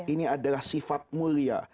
ini adalah sifat mulia